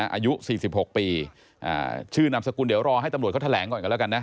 อายุ๔๖ปีชื่อนามสกุลเดี๋ยวรอให้ตำรวจเขาแถลงก่อนกันแล้วกันนะ